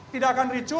tidak akan ricu